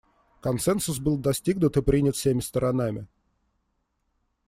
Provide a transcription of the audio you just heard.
Консенсус был достигнут и принят всеми сторонами.